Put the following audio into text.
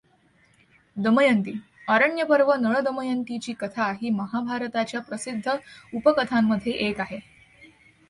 दमयंती अरण्यपर्व नळदमयंतीची कथा ही महाभारताच्या प्रसिद्ध उपकथांमध्ये एक आहे.